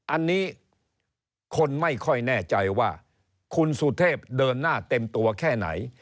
อันนี้คนไม่ค่อยแน่ใจว่าคุณสุเทพเดินหน้าเต็มตัวแค่ไหน